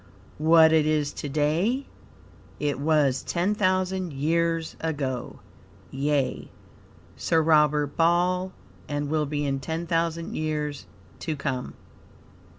What it is to day it was ten thousand years ago yea, Sir Robert Ball, and will be in ten thousand years to come.